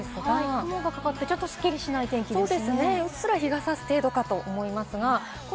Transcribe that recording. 雲がかかって、すっきりしないお天気ですね。